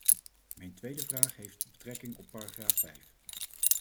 Mijn tweede vraag heeft betrekking op paragraaf vijf.